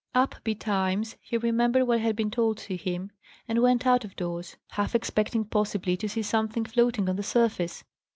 Up betimes, he remembered what had been told to him, and went out of doors, half expecting possibly to see something floating on the surface.